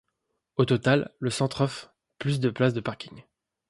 Au total, le centre offre plus de places de parking.